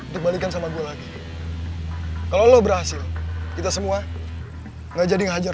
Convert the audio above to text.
dikembalikan sama gue lagi kalau lo berhasil kita semua enggak jadi ngajar